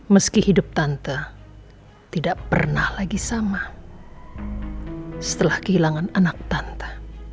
meski hidup tante tidak pernah lagi sama setelah kehilangan anak tante